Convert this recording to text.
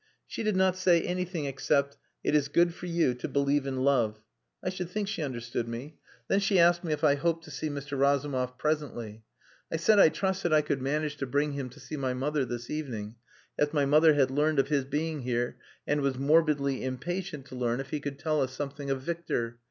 "She did not say anything except, 'It is good for you to believe in love.' I should think she understood me. Then she asked me if I hoped to see Mr. Razumov presently. I said I trusted I could manage to bring him to see my mother this evening, as my mother had learned of his being here and was morbidly impatient to learn if he could tell us something of Victor.